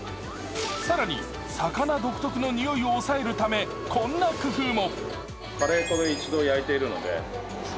更に魚独特の臭いを抑えるためこんな工夫も。